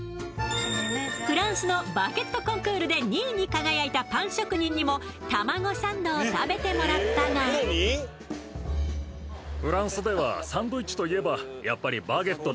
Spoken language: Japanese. フランスのバゲットコンクールで２位に輝いたパン職人にもタマゴサンドを食べてもらったがでしょうね